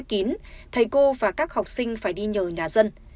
theo kiếp kín thầy cô và các học sinh phải đi nhờ nhà dân